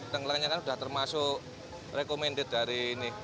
tenggelangnya kan sudah termasuk recommended dari ini